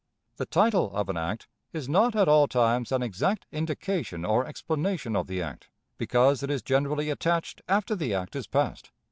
The title of an act is not at all times an exact indication or explanation of the act, because it is generally attached after the act is passed.